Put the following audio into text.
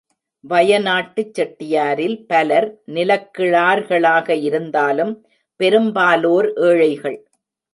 வயநாட்டுச் செட்டியரில் பலர் நிலக்கிழார்களாக இருந்தாலும், பெரும்பாலோர் ஏழைகள்.